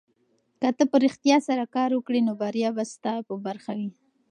که ته په رښتیا سره کار وکړې نو بریا به ستا په برخه وي.